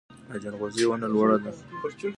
د ځنغوزي ونه لوړه ده